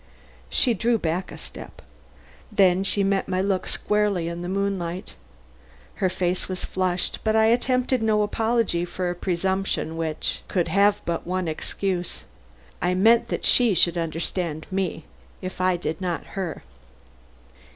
She drew back a step; then she met my look squarely in the moonlight. Her face was flushed, but I attempted no apology for a presumption which could have but one excuse. I meant that she should understand me if I did not her.